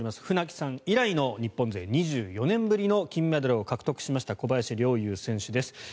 船木さん以来の日本勢２４年ぶりの金メダルを獲得しました小林陵侑選手です。